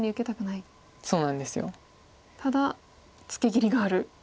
ただツケ切りがある。